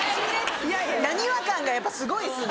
浪速感がやっぱすごいですね。